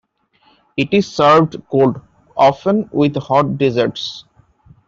It is served cold, often with hot desserts.